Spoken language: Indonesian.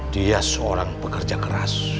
dia seorang pekerja keras